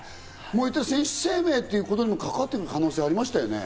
選手生命ということにも関わってくる可能性ありましたね？